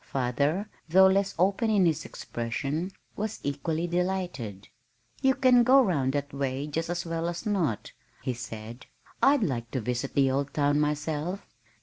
Father, though less open in his expression, was equally delighted. "You can go round that way just as well as not," he said. "I'd like to visit the old town myself."